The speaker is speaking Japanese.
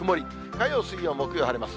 火曜、水曜、木曜晴れます。